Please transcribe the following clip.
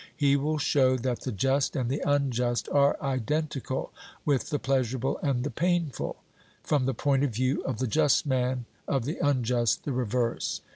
He will show that the just and the unjust are identical with the pleasurable and the painful, from the point of view of the just man, of the unjust the reverse.